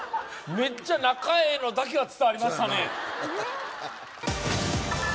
メッチャ仲ええのだけは伝わりましたね